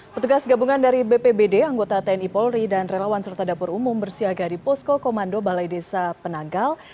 petugas gabungan dari bpbd anggota tni polri dan relawan serta dapur umum bersiaga di posko komando balai desa penanggal